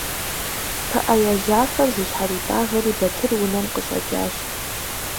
ПыӀэ яжьафэр зыщхьэритӀагъэри Батыр унэм къыщӀэкӀащ.